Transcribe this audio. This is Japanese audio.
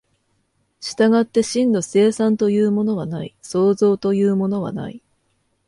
従って真の生産というものはない、創造というものはない。